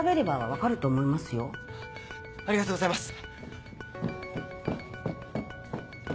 ありがとうございます。